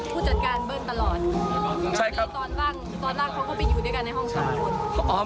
เพราะเขาก็ไปอยู่ด้วยกันในห้องสำคัญ